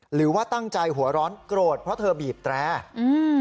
หรือว่าตั้งใจหัวร้อนโกรธเพราะเธอบีบแตรอืม